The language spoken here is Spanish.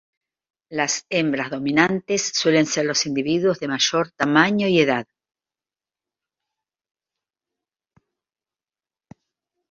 Las hembras dominantes suelen ser los individuos de mayor tamaño y edad.